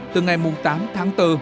từ ngày tám tháng bốn